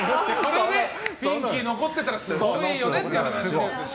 ピンキー残ってたらすごいよねって話ですし。